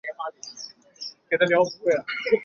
费希新萨托菌是费氏曲霉的有性型。